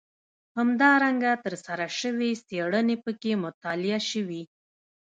همدارنګه ترسره شوې څېړنې پکې مطالعه شوي.